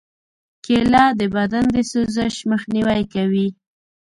کېله د بدن د سوزش مخنیوی کوي.